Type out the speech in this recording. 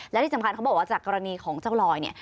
และที่สำคัญเขาบอกว่าจากกรณีของเจ้าลอยเนี่ย